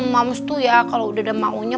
moms tuh ya kalau udah ada maunya